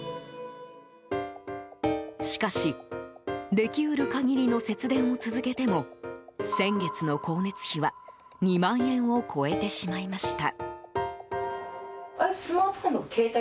しかしでき得る限りの節電を続けても先月の光熱費は２万円を超えてしまいました。